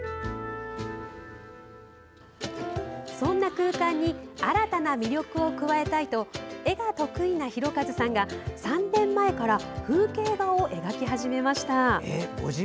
そんな空間に新たな魅力を加えたいと絵が得意な大和さんが３年前から風景画を描き始めました。